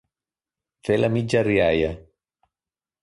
Fer la mitja rialla.